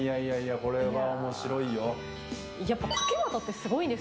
これは面白いよ。